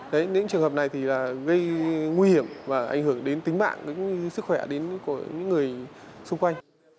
đấy những trường hợp này thì là gây nguy hiểm và ảnh hưởng đến tính mạng đến sức khỏe đến của những người xung quanh